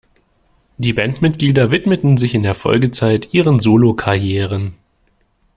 Die Bandmitglieder widmeten sich in der Folgezeit ihren Solokarrieren.